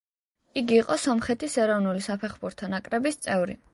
იგი იყო სომხეთის ეროვნული საფეხბურთო ნაკრების წევრი.